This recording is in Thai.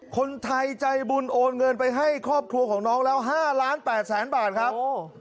คนไทยใจบุญโอนเงินไปให้ครอบครัวของน้องแล้ว๕ล้าน๘แสนบาทครับ